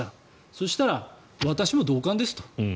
そしたら、私も同感ですと。